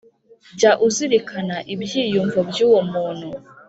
Jya uzirikana ibyiyumvo by uwo muntu